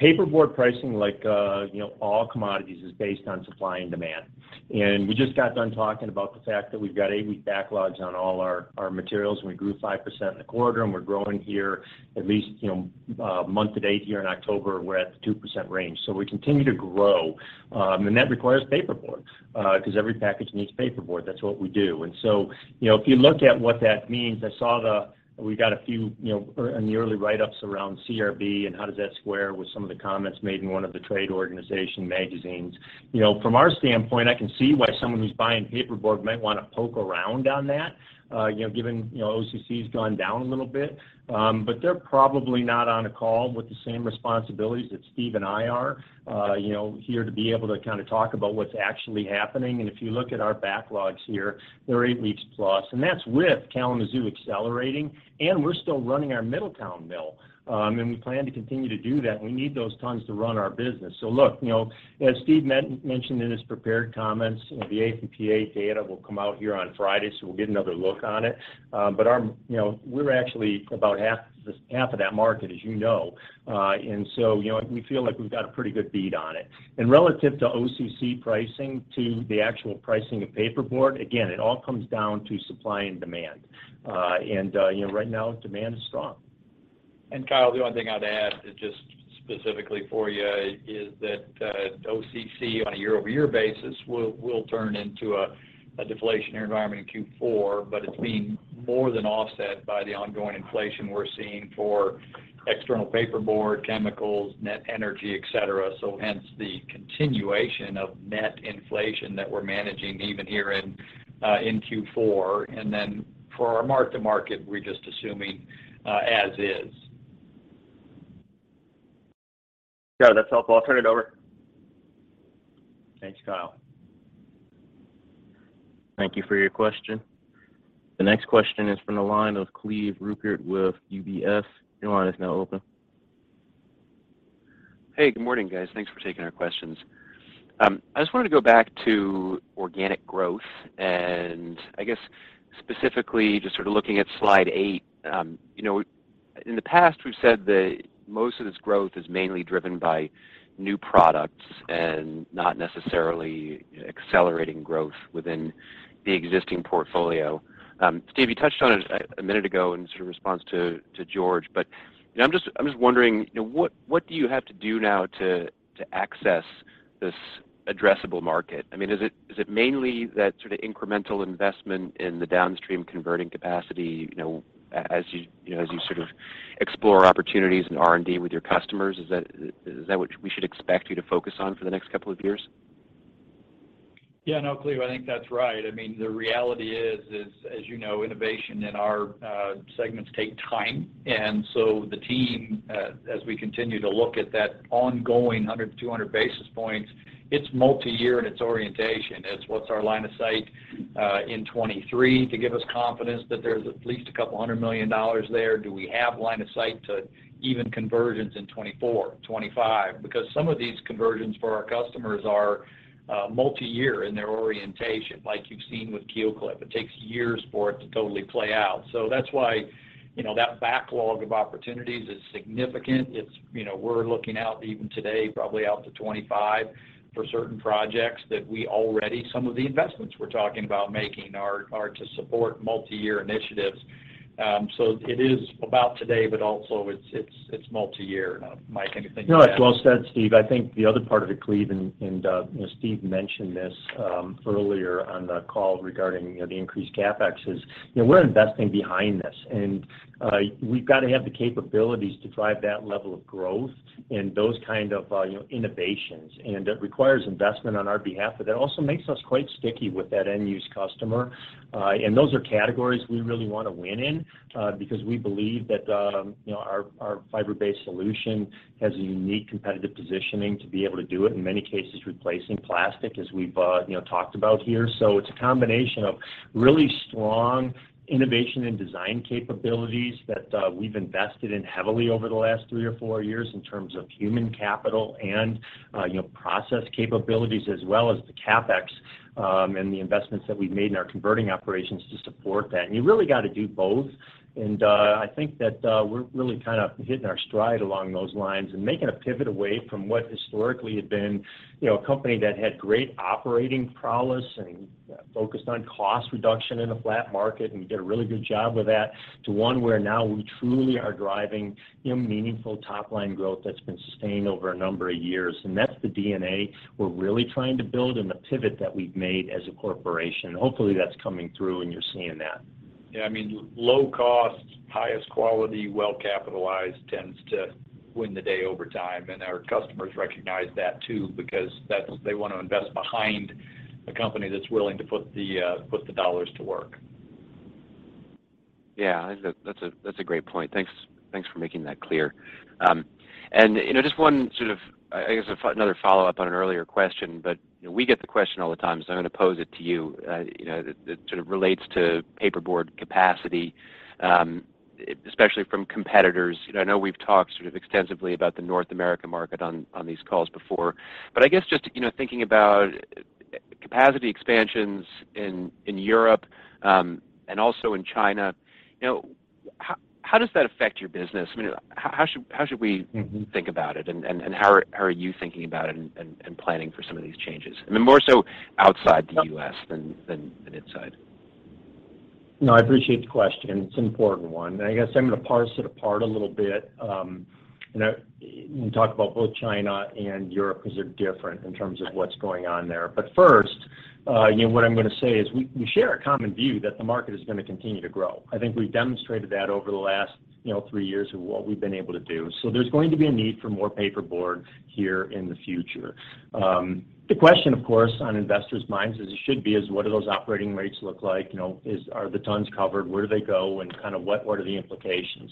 Paperboard pricing, like, you know, all commodities, is based on supply and demand. We just got done talking about the fact that we've got eight-week backlogs on all our materials, and we grew 5% in the quarter, and we're growing here at least, you know, month to date here in October, we're at the 2% range. We continue to grow. That requires Paperboard, because every package needs Paperboard. That's what we do. You know, if you look at what that means, we got a few, you know, in the early write-ups around CRB and how does that square with some of the comments made in one of the trade organization magazines. You know, from our standpoint, I can see why someone who's buying Paperboard might want to poke around on that, you know, given, you know, OCC's gone down a little bit. They're probably not on a call with the same responsibilities that Steve and I are, you know, here to be able to kind of talk about what's actually happening. If you look at our backlogs here, they're 8+ weeks, and that's with Kalamazoo accelerating, and we're still running our Middletown mill. We plan to continue to do that, and we need those tons to run our business. Look, you know, as Steve mentioned in his prepared comments, you know, the AF&PA data will come out here on Friday, so we'll get another look on it. you know, we're actually about half of that market, as you know. you know, we feel like we've got a pretty good bead on it. Relative to OCC pricing to the actual pricing of Paperboard, again, it all comes down to supply and demand. you know, right now demand is strong. Kyle, the only thing I'd add is just specifically for you is that, OCC on a year-over-year basis will turn into a deflationary environment in Q4, but it's being more than offset by the ongoing inflation we're seeing for external Paperboard, chemicals, net energy, et cetera. Hence the continuation of net inflation that we're managing even here in Q4. For our mark-to-market, we're just assuming as is. Yeah, that's helpful. I'll turn it over. Thanks, Kyle. Thank you for your question. The next question is from the line of Cleveland Rueckert with UBS. Your line is now open. Hey, good morning, guys. Thanks for taking our questions. I just wanted to go back to organic growth, and I guess specifically just sort of looking at Slide 8. You know, in the past, we've said that most of this growth is mainly driven by new products and not necessarily accelerating growth within the existing portfolio. Steve, you touched on it a minute ago in sort of response to George. You know, I'm just wondering, you know, what do you have to do now to access this addressable market? I mean, is it mainly that sort of incremental investment in the downstream converting capacity, you know, as you sort of explore opportunities in R&D with your customers? Is that what we should expect you to focus on for the next couple of years? Yeah. No, Cleve, I think that's right. I mean, the reality is, as you know, innovation in our segments take time. The team as we continue to look at that ongoing 100-200 basis points, it's multi-year in its orientation. It's what's our line of sight in 2023 to give us confidence that there's at least $200 million there. Do we have line of sight to even convergence in 2024, 2025? Because some of these conversions for our customers are multi-year in their orientation, like you've seen with EnviroClip. It takes years for it to totally play out. That's why, you know, that backlog of opportunities is significant. It's, you know, we're looking out even today, probably out to 2025 for certain projects that we already. Some of the investments we're talking about making are to support multi-year initiatives. It is about today, but also it's multi-year. Mike, anything to add? No, it's well said, Steve. I think the other part of it, Cleve, and you know, Steve mentioned this earlier on the call regarding you know, the increased CapEx is you know, we're investing behind this, and we've got to have the capabilities to drive that level of growth and those kind of you know, innovations. It requires investment on our behalf, but that also makes us quite sticky with that end-use customer. Those are categories we really wanna win in because we believe that you know, our fiber-based solution has a unique competitive positioning to be able to do it, in many cases, replacing plastic, as we've you know, talked about here. It's a combination of really strong innovation and design capabilities that we've invested in heavily over the last three or four years in terms of human capital and you know, process capabilities as well as the CapEx and the investments that we've made in our converting operations to support that. You really got to do both. I think that we're really kind of hitting our stride along those lines and making a pivot away from what historically had been you know, a company that had great operating prowess and focused on cost reduction in a flat market, and we did a really good job of that, to one where now we truly are driving you know, meaningful top-line growth that's been sustained over a number of years. That's the DNA we're really trying to build and the pivot that we've made as a corporation. Hopefully, that's coming through, and you're seeing that. Yeah. I mean, low cost, highest quality, well-capitalized tends to win the day over time. Our customers recognize that too because that's, they wanna invest behind a company that's willing to put the dollars to work. Yeah. I think that's a great point. Thanks for making that clear. You know, just one sort of, I guess another follow-up on an earlier question. You know, we get the question all the time, so I'm gonna pose it to you. You know, it sort of relates to Paperboard capacity, especially from competitors. You know, I know we've talked sort of extensively about the North American market on these calls before, but I guess just, you know, thinking about capacity expansions in Europe and also in China, you know, how does that affect your business? I mean, how should we- Mm-hmm Think about it? How are you thinking about it and planning for some of these changes? I mean, more so outside the U.S. than inside. No, I appreciate the question. It's an important one, and I guess I'm gonna parse it apart a little bit. You know, talk about both China and Europe because they're different in terms of what's going on there. But first, you know, what I'm gonna say is we share a common view that the market is gonna continue to grow. I think we've demonstrated that over the last, you know, three years of what we've been able to do. There's going to be a need for more Paperboard here in the future. The question, of course, on investors' minds, as it should be, is what do those operating rates look like? Are the tons covered? Where do they go? Kind of what are the implications?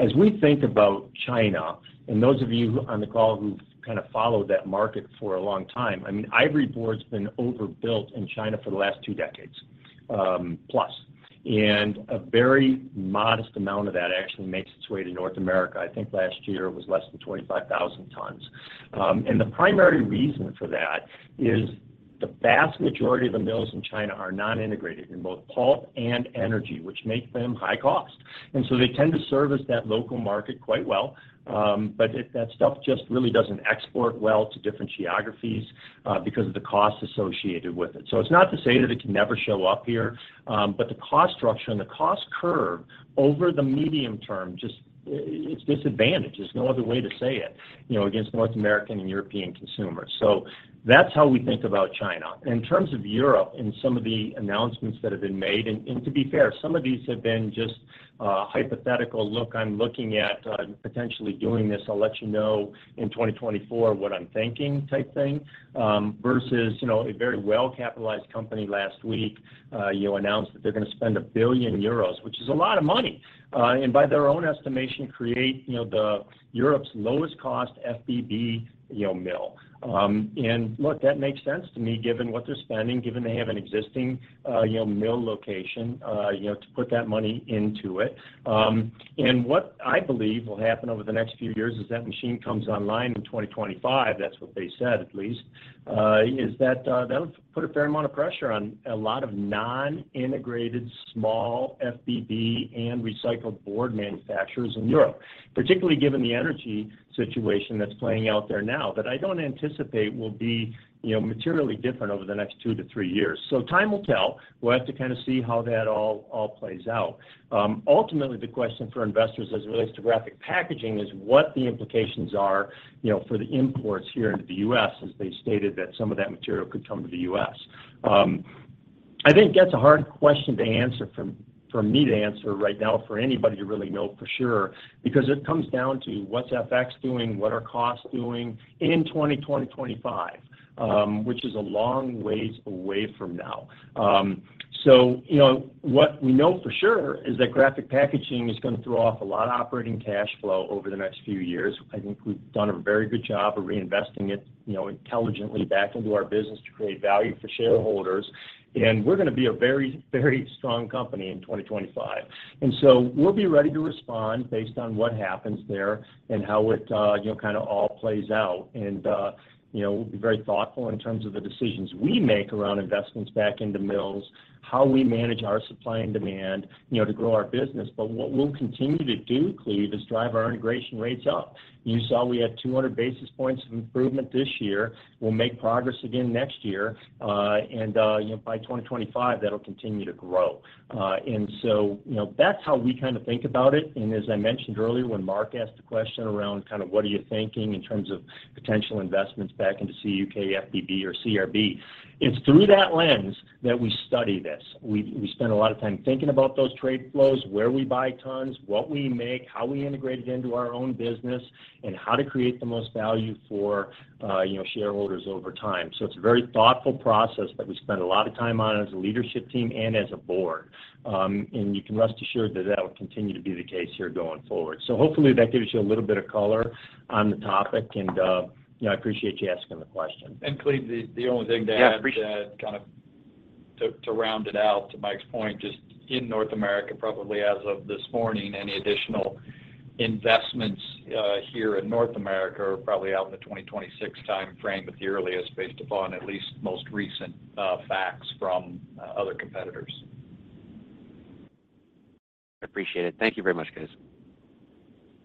As we think about China, and those of you on the call who've kind of followed that market for a long time, I mean, Ivory Board's been overbuilt in China for the last two decades, plus. A very modest amount of that actually makes its way to North America. I think last year it was less than 25,000 tons. The primary reason for that is the vast majority of the mills in China are non-integrated in both pulp and energy, which make them high cost. They tend to service that local market quite well, but that stuff just really doesn't export well to different geographies, because of the cost associated with it. It's not to say that it can never show up here, but the cost structure and the cost curve over the medium term just it's disadvantaged, there's no other way to say it, you know, against North American and European consumers. That's how we think about China. In terms of Europe and some of the announcements that have been made, and to be fair, some of these have been just a hypothetical look, "I'm looking at potentially doing this. I'll let you know in 2024 what I'm thinking," type thing, versus, you know, a very well-capitalized company last week, you know, announced that they're gonna spend 1 billion euros, which is a lot of money, and by their own estimation, create, you know, Europe's lowest cost FBB, you know, mill. Look, that makes sense to me given what they're spending, given they have an existing, you know, mill location, you know, to put that money into it. What I believe will happen over the next few years as that machine comes online in 2025, that's what they said at least, is that'll put a fair amount of pressure on a lot of non-integrated small FBB and recycled board manufacturers in Europe, particularly given the energy situation that's playing out there now, that I don't anticipate will be, you know, materially different over the next two to three years. Time will tell. We'll have to kind of see how that all plays out. Ultimately, the question for investors as it relates to Graphic Packaging is what the implications are, you know, for the imports here into the U.S., as they stated that some of that material could come to the U.S. I think that's a hard question to answer for me to answer right now, for anybody to really know for sure, because it comes down to what's FX doing? What are costs doing in 2025? Which is a long ways away from now. You know, what we know for sure is that Graphic Packaging is gonna throw off a lot of operating cash flow over the next few years. I think we've done a very good job of reinvesting it, you know, intelligently back into our business to create value for shareholders. We're gonna be a very, very strong company in 2025. We'll be ready to respond based on what happens there and how it, you know, kind of all plays out. You know, we'll be very thoughtful in terms of the decisions we make around investments back in the mills, how we manage our supply and demand, you know, to grow our business. What we'll continue to do, Cleve, is drive our integration rates up. You saw we had 200 basis points of improvement this year. We'll make progress again next year. You know, by 2025, that'll continue to grow. You know, that's how we kind of think about it. As I mentioned earlier, when Mark asked the question around kind of what are you thinking in terms of potential investments back into CUK, FBB or CRB, it's through that lens that we study this. We spend a lot of time thinking about those trade flows, where we buy tons, what we make, how we integrate it into our own business, and how to create the most value for, you know, shareholders over time. It's a very thoughtful process that we spend a lot of time on as a leadership team and as a board. You can rest assured that that will continue to be the case here going forward. Hopefully, that gives you a little bit of color on the topic, and, you know, I appreciate you asking the question. Cleve, the only thing to add. Yeah, appreciate. To add, to round it out, to Mike's point, just in North America, probably as of this morning, any additional investments here in North America are probably out in the 2026 timeframe at the earliest, based upon at least most recent facts from other competitors. I appreciate it. Thank you very much, guys.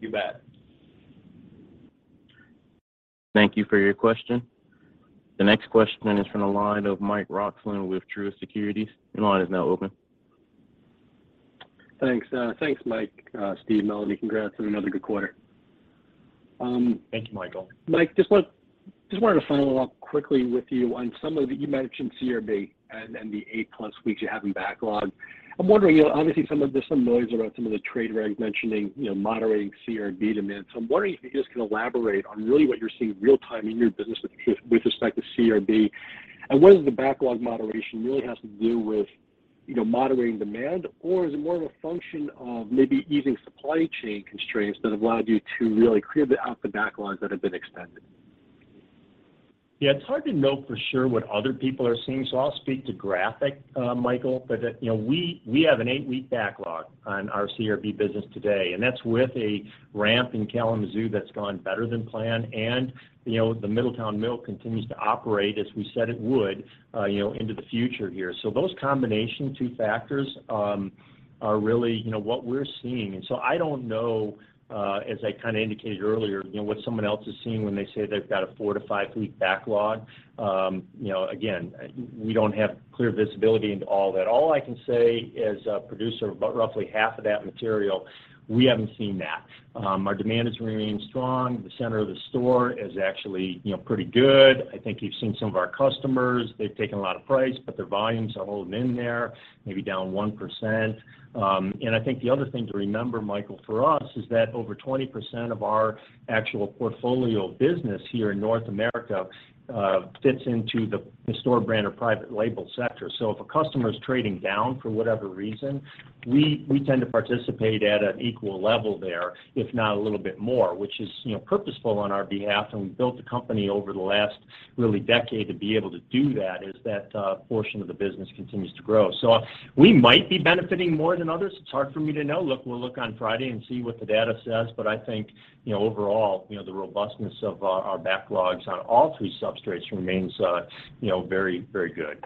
You bet. Thank you for your question. The next question is from the line of Mike Roxland with Truist Securities. Your line is now open. Thanks. Thanks, Mike, Steve, Melanie. Congrats on another good quarter. Thank you, Michael. Mike, just wanted to follow up quickly with you on some of the. You mentioned CRB and the 8+ weeks you have in backlog. I'm wondering, you know, obviously some of the, there's some noise about some of the trade regs mentioning, you know, moderating CRB demand. So I'm wondering if you just can elaborate on really what you're seeing real-time in your business with respect to CRB. And whether the backlog moderation really has to do with, you know, moderating demand, or is it more of a function of maybe easing supply chain constraints that have allowed you to really clear out the backlogs that have been extended? Yeah, it's hard to know for sure what other people are seeing. I'll speak to Graphic, Michael. You know, we have an eight-week backlog on our CRB business today, and that's with a ramp in Kalamazoo that's gone better than planned. You know, the Middletown mill continues to operate as we said it would, you know, into the future here. That combination of two factors are really, you know, what we're seeing. I don't know, as I kinda indicated earlier, you know, what someone else is seeing when they say they've got a four-five-week backlog. You know, again, we don't have clear visibility into all that. All I can say as a producer of about roughly half of that material, we haven't seen that. Our demand has remained strong. The center of the store is actually, you know, pretty good. I think you've seen some of our customers. They've taken a lot of price, but their volumes are holding in there, maybe down 1%. I think the other thing to remember, Michael, for us, is that over 20% of our actual portfolio business here in North America fits into the store brand or private label sector. If a customer is trading down for whatever reason, we tend to participate at an equal level there, if not a little bit more, which is, you know, purposeful on our behalf, and we built the company over the last really decade to be able to do that as that portion of the business continues to grow. We might be benefiting more than others. It's hard for me to know. Look, we'll look on Friday and see what the data says, but I think, you know, overall, you know, the robustness of our backlogs on all three substrates remains, you know, very, very good.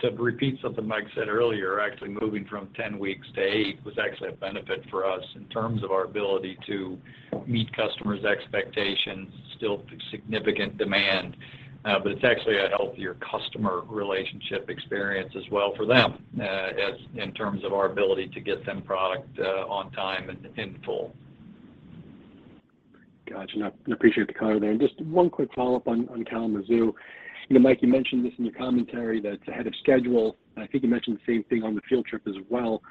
To repeat something Mike said earlier, actually moving from 10 weeks to eight weeks was actually a benefit for us in terms of our ability to meet customers' expectations, still significant demand. It's actually a healthier customer relationship experience as well for them, as in terms of our ability to get them product, on time and in full. Gotcha. I appreciate the color there. Just one quick follow-up on Kalamazoo. You know, Mike, you mentioned this in your commentary that it's ahead of schedule, and I think you mentioned the same thing on the field trip as well.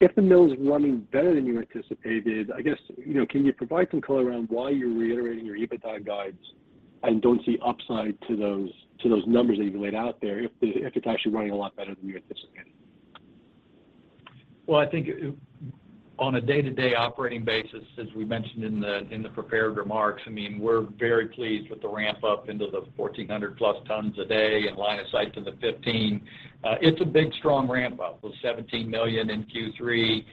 If the mill's running better than you anticipated, I guess, you know, can you provide some color around why you're reiterating your EBITDA guides and don't see upside to those numbers that you've laid out there if it's actually running a lot better than you anticipated? Well, I think on a day-to-day operating basis, as we mentioned in the prepared remarks, I mean, we're very pleased with the ramp-up into the 1,400+ tons a day and line of sight to the 1,500. It's a big, strong ramp-up with $17 million in Q3,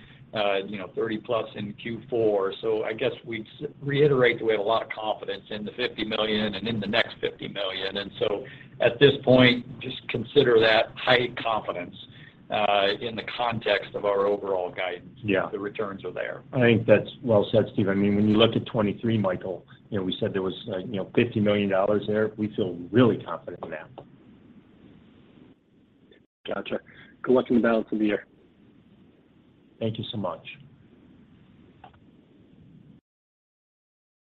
you know, 30+ in Q4. I guess we reiterate that we have a lot of confidence in the $50 million and in the next $50 million, and so at this point, just consider that high confidence in the context of our overall guidance. Yeah. The returns are there. I think that's well said, Steve. I mean, when you look at 2023, Michael, you know, we said there was, you know, $50 million there. We feel really confident now. Gotcha. Good luck in the balance of the year. Thank you so much.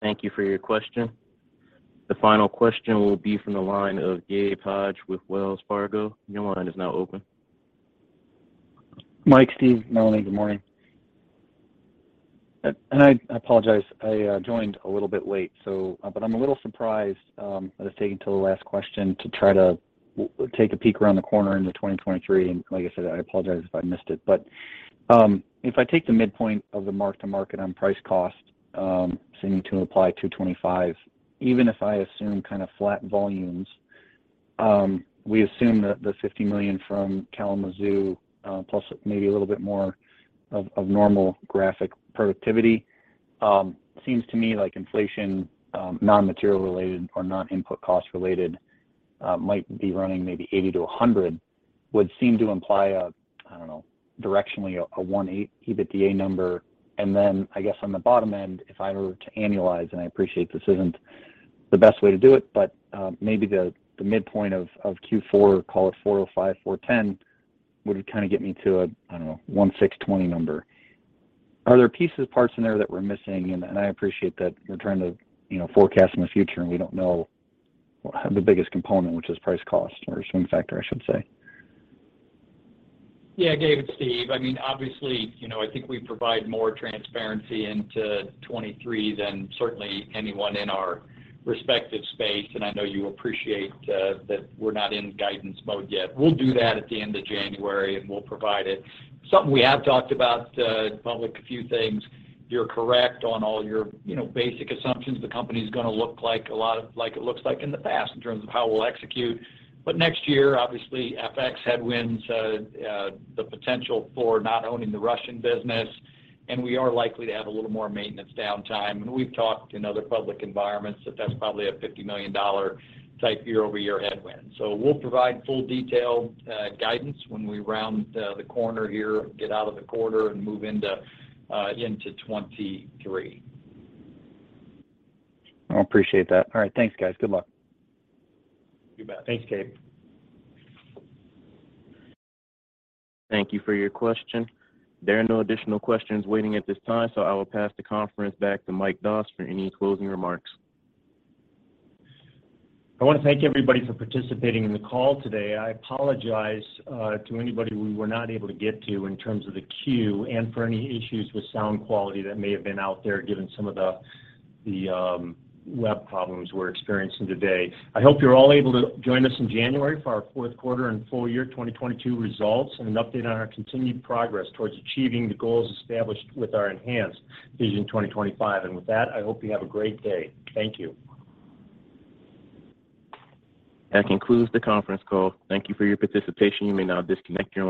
Thank you for your question. The final question will be from the line of Gabe Hajde with Wells Fargo. Your line is now open. Mike, Steve, Melanie, good morning. I apologize I joined a little bit late, so but I'm a little surprised that it's taken till the last question to try to take a peek around the corner into 2023, and like I said, I apologize if I missed it. But if I take the midpoint of the mark-to-market on price cost seeming to imply $225, even if I assume kind of flat volumes, we assume that the $50 million from Kalamazoo plus maybe a little bit more of normal Graphic productivity, seems to me like inflation non-material related or non-input cost related might be running maybe $80-$100, would seem to imply a, I don't know, directionally a $180 EBITDA number. I guess on the bottom end, if I were to annualize, and I appreciate this isn't the best way to do it, but maybe the midpoint of Q4, call it $4.05-$4.10, would kind of get me to a, I don't know, $16.20 number. Are there pieces, parts in there that we're missing? I appreciate that you're trying to, you know, forecast in the future, and we don't know the biggest component, which is price cost or swing factor, I should say. Yeah. Gabe, it's Steve. I mean, obviously, you know, I think we provide more transparency into 2023 than certainly anyone in our respective space, and I know you appreciate that we're not in guidance mode yet. We'll do that at the end of January, and we'll provide it. Something we have talked about publicly a few things. You're correct on all your, you know, basic assumptions. The company's gonna look a lot like it looks like in the past in terms of how we'll execute. But next year, obviously FX headwinds, the potential for not owning the Russian business, and we are likely to have a little more maintenance downtime. We've talked in other public environments that that's probably a $50 million type year-over-year headwind. We'll provide full detailed guidance when we round the corner here, get out of the quarter and move into 2023. I appreciate that. All right. Thanks, guys. Good luck. You bet. Thanks, Gabe. Thank you for your question. There are no additional questions waiting at this time, so I will pass the conference back to Michael Doss for any closing remarks. I wanna thank everybody for participating in the call today. I apologize to anybody we were not able to get to in terms of the queue and for any issues with sound quality that may have been out there, given some of the web problems we're experiencing today. I hope you're all able to join us in January for our fourth quarter and full year 2022 results and an update on our continued progress towards achieving the goals established with our enhanced Vision 2025. With that, I hope you have a great day. Thank you. That concludes the conference call. Thank you for your participation. You may now disconnect your line.